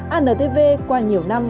antv qua nhiều năm